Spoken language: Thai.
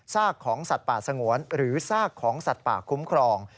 ของสัตว์ป่าสงวนหรือซากของสัตว์ป่าคุ้มครอง